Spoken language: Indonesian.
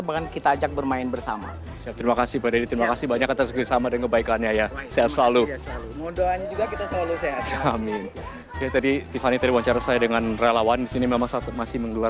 bahkan kita ajak bermain bersama